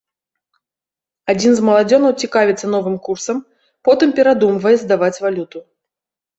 Адзін з маладзёнаў цікавіцца новым курсам, потым перадумвае здаваць валюту.